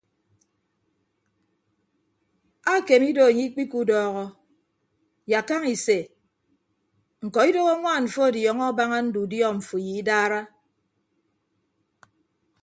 Akeme ido anye ikpiku udọọhọ yak kaña ise ñkọ idoho añwaan mfọ ọdiọñọ abaña ndudiọ mfo ye idara.